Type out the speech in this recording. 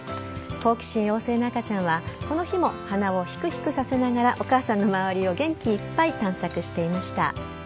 好奇心旺盛な赤ちゃんは、この日も鼻をひくひくさせながら、お母さんの周りを元気いっぱい探索していました。